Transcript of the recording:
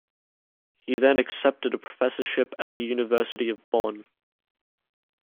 He then accepted a professorship at the University of Bonn.